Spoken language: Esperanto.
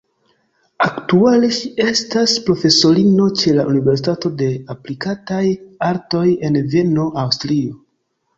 Aktuale ŝi estas profesorino ĉe la Universitato de aplikataj artoj en Vieno, Aŭstrio.